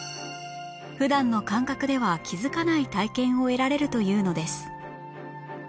普段の感覚では気づかない体験を得られるというのです